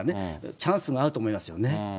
チャンスがあると思いますよね。